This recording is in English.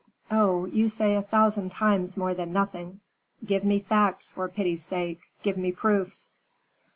"Oh! you say a thousand times more than nothing. Give me facts, for pity's sake, give me proofs.